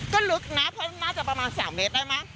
ก็ลึกนะเพราะน่าจะประมาณ๓เมตรได้มั้